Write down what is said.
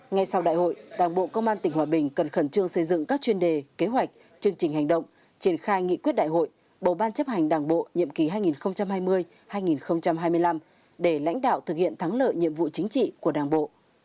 ngay sau đại hội đảng bộ công an tỉnh hòa bình cần khẩn trương xây dựng các chuyên đề kế hoạch chương trình hành động triển khai nghị quyết đại hội bầu ban chấp hành đảng bộ nhiệm kỳ hai nghìn hai mươi hai nghìn hai mươi năm để lãnh đạo thực hiện thắng lợi nhiệm vụ chính trị của đảng bộ